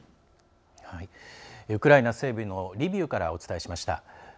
ウクライナ西部のリビウからお伝えしました。